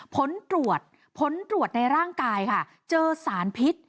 ผลตรวจผลตรวจในร่างกายค่ะเจอสารพิษ